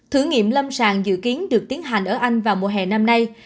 thử nghiệm lâm sàng dự kiến được tiến hành ở anh vào mùa hè năm nay